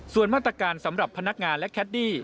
ส่วนมาตรการสำหรับพนักงานและแคดดี้